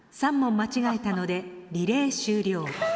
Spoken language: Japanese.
３問間違えたのでリレー終了。